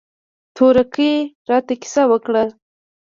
تورکي راته کيسه وکړه.